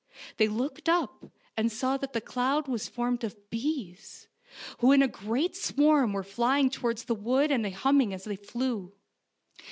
They looked up, and saw that the cloud was formed of bees, who in a great swarm were flying towards the wood and hum ming as they flew.